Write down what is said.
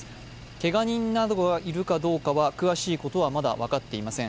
けが人などがいるかどうか、詳しいことはまだ分かっていません。